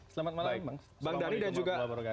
selamat malam bang